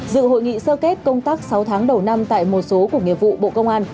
dự hội nghị sơ kết công tác sáu tháng đầu năm tại một số cục nghiệp vụ bộ công an